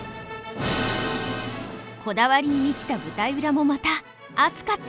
こだわりに満ちた舞台裏もまた熱かった。